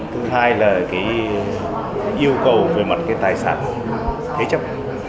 thứ hai là cái yêu cầu về mặt cái tài sản thế chấp